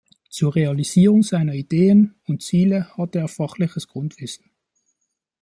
Zur Realisierung seiner Ideen und Ziele hatte er fachliches Grundwissen.